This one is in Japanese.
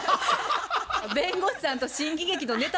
弁護士さんと新喜劇のネタ